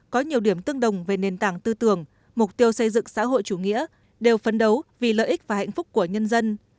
có nhiều điểm tương đồng về nền tảng tư tưởng mục tiêu xây dựng xã hội chủ nghĩa đều phấn đấu vì lợi ích và hạnh phúc của nhân dân